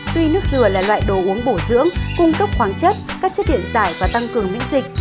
tuy nước dừa là loại đồ uống bổ dưỡng cung cấp khoáng chất các chất điện giải và tăng cường miễn dịch